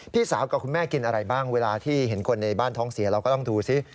พี่สาวกับคุณแม่กินอะไรบ้างเวลาที่เห็นคนในบ้านท้องเสียเราก็ต้องดูซิ